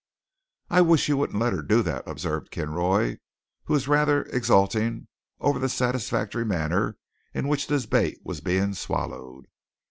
"I wish you wouldn't let her do that," observed Kinroy, who was rather exulting over the satisfactory manner in which this bait was being swallowed.